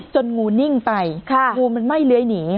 งูนิ่งไปงูมันไหม้เลื้อยหนี